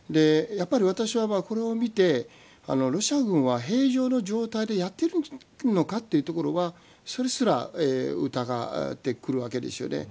やっぱり私は、これを見てロシア軍は平常の状態でやっているのかというところはそれすら疑ってくるわけです。